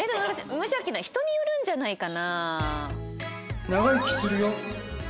無邪気な人によるんじゃないかな？